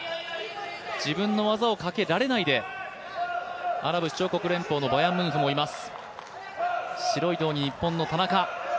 自分の技をかけられないで、アラブ首長国連邦のバヤンムンフもいます。